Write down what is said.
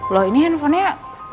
loh ini handphonenya